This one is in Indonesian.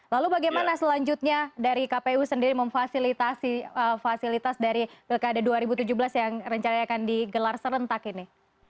lalu bagaimana selanjutnya dari kpu sendiri memfasilitasi fasilitas dari pilkada dua ribu tujuh belas yang rencana akan digelar serentak ini